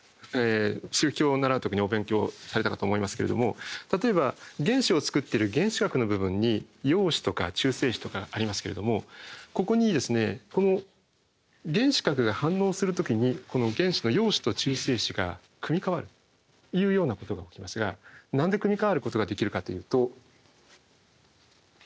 周期表を習う時にお勉強されたかと思いますけれども例えば原子を作ってる原子核の部分に陽子とか中性子とかありますけれどもここにこの原子核が反応する時にこの原子の陽子と中性子が組みかわるというようなことが起きますが何で組みかわることができるかというと。